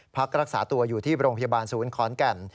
พักรักษาตัวอยู่ที่โรงพยาบาลศูนย์ขอนแก่น